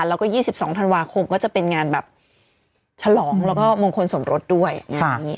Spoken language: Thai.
แล้วก็๒๒ธันวาคมก็จะเป็นงานแบบฉลองแล้วก็มงคลสมรสด้วยงานนี้